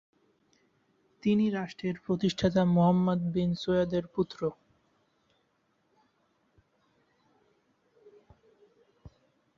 তিনি রাষ্ট্রের প্রতিষ্ঠাতা মুহাম্মদ বিন সৌদের পুত্র।